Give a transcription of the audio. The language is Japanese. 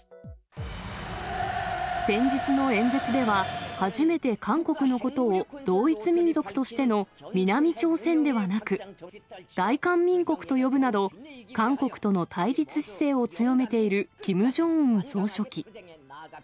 先日の演説では、初めて韓国のことを同一民族としての南朝鮮ではなく、大韓民国と呼ぶなど、韓国との対立姿勢を強めているキム・ジョンウン総書記。